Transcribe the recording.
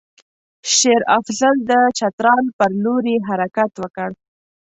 شېر افضل د چترال پر لوري حرکت وکړ.